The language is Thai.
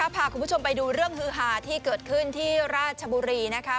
พาคุณผู้ชมไปดูเรื่องฮือหาที่เกิดขึ้นที่ราชบุรีนะคะ